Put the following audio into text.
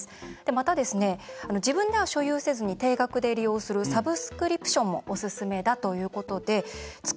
または、自分では所有せずに定額で利用しますサブスクリプションもおすすめだということです。